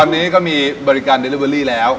ตอนนี้ก็มีบริการเดลิเวอรี่แล้ว